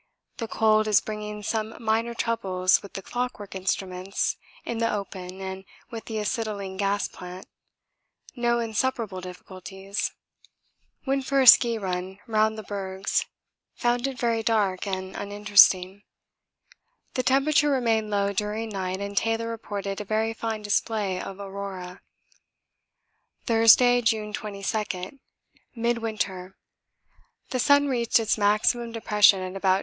The cold is bringing some minor troubles with the clockwork instruments in the open and with the acetylene gas plant no insuperable difficulties. Went for a ski run round the bergs; found it very dark and uninteresting. The temperature remained low during night and Taylor reported a very fine display of Aurora. Thursday, June 22. MIDWINTER. The sun reached its maximum depression at about 2.